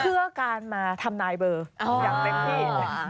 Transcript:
เพื่อการมาทำนายเบอร์อย่างเต็มที่